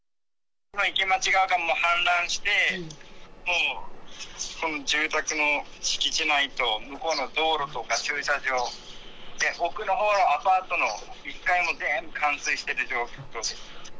池町川が氾濫して、もう住宅の敷地内と、向こうの道路とか駐車場、奥のほうのアパートの１階も全部冠水している状況です。